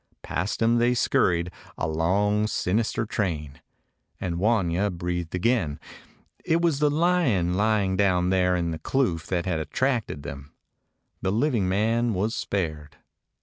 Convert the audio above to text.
Past him they scurried, a long sinister train, and Wanya breathed again. It was the lion lying down there in the kloof that had attracted them. The living man was spared.